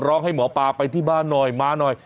ร้องให้หมอปลาไปที่บ้านหน่อยมาหน่อย